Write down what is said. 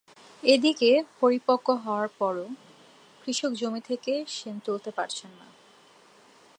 এদিকে পরিপক্ব হওয়ার পরও কৃষক জমি থেকে শিম তুলতে পারছেন না।